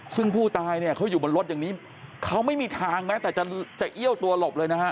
ซึ่งผู้ตายเนี่ยเขาอยู่บนรถอย่างนี้เขาไม่มีทางแม้แต่จะเอี้ยวตัวหลบเลยนะฮะ